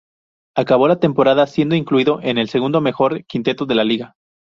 Acabó la temporada siendo incluido en el segundo mejor quinteto de la liga.